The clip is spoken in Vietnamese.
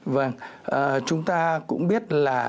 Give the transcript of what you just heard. vâng chúng ta cũng biết là